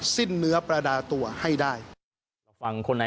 สิ้นเนื้อประดาตัวให้ได้